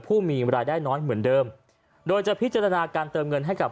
ผู้มีรายได้น้อยเหมือนเดิมโดยจะพิจารณาการเติมเงินให้กับ